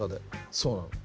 そうなのよ。